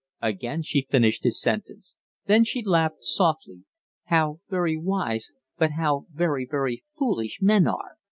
Again she finished his sentence. Then she laughed softly. "How very wise, but how very, very foolish men are!